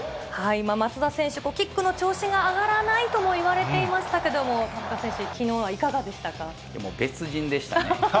松田選手、キックの調子が上がらないとも言われていましたけれども、田中選手、きのうはいか別人でしたね。